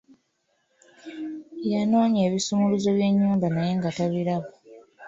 Yanoonya ebisumuluzo by'ennyumba naye nga tabiraba.